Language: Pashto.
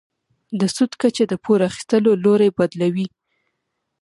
د سود کچه د پور اخیستلو لوری بدلوي.